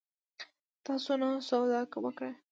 تا څونه سودا وکړه؟